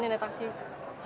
nah idit kita